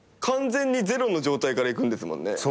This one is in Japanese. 完全にゼロの状態からいくんですもんね。